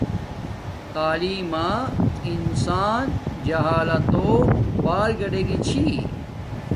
تعلیم ما انسان جہالتو بار گاڈگی چھی